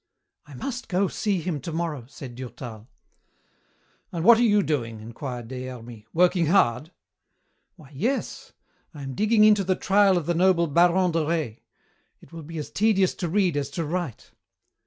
"I must go see him tomorrow," said Durtal. "And what are you doing?" enquired Des Hermies. "Working hard?" "Why, yes. I am digging into the trial of the noble baron de Rais. It will be as tedious to read as to write!"